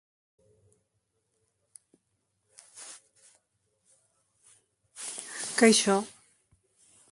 Nafarroa Behereko bigarren mendirik garaiena da, Okabe ondoren.